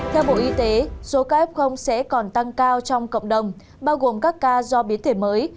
theo bộ y tế số ca f sẽ còn tăng cao trong cộng đồng bao gồm các ca do biến thể mới